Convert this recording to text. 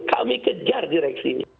kami kejar direksi